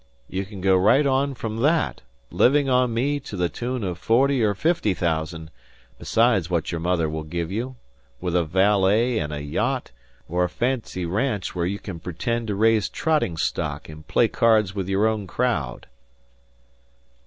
You can go right on from that, living on me to the tune of forty or fifty thousand, besides what your mother will give you, with a valet and a yacht or a fancy ranch where you can pretend to raise trotting stock and play cards with your own crowd."